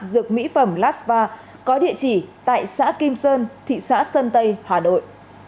dược mỹ phẩm lasva có địa chỉ tại xã kim sơn thị xã sơn tây hà nội